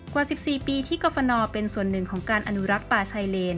กว่า๑๔ปีที่กรฟนเป็นส่วนหนึ่งของการอนุรักษ์ป่าชายเลน